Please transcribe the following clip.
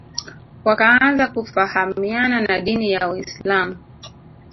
wakaanza kufahamiana na dini ya Uislam